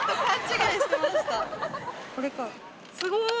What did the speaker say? すごい！